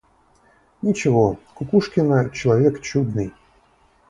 Ничего! Кукшина - человек чудный.